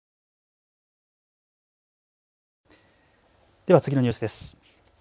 では次のニュースです。